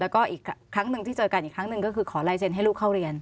ก็อีกครั้งนึงที่เจอกันอีกครั้งนึงก็คือขอไลเซ็นให้ลูกเข้าเรียน